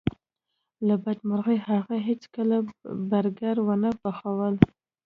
له بده مرغه هغوی هیڅکله برګر ونه پخول